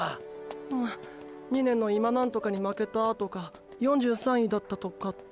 うん２年の今ナントカに負けたーとか４３位だったとかって。